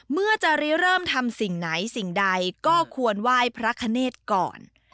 เมื่อจะเริ่มทำสิ่งไหนสิ่งใดก็ควรไหว้พระคเนธก่อน